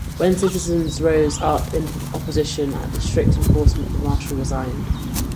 When citizens rose up in opposition at the strict enforcement, the marshal resigned.